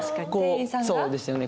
そうですよね